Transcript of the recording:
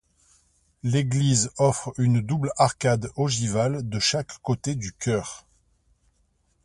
L'église offre une double arcade ogivale de chaque côté du chœur.